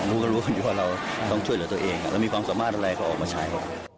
รู้ก็รู้กันดีว่าเราต้องช่วยเหลือตัวเองเรามีความสามารถอะไรก็ออกมาใช้